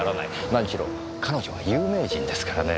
何しろ彼女は有名人ですからね。